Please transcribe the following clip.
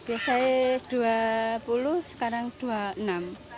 biasanya rp dua puluh sekarang rp dua puluh enam